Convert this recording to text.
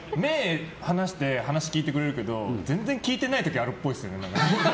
話す時、目を見てくれるけど全然、聞いてない時あるっぽいですね。